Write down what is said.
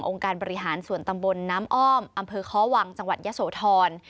การบริหารส่วนตำบลน้ำอ้อมอำเภอค้อวังจังหวัดยะโสธร